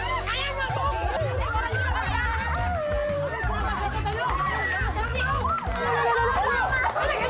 masih ada bapak gino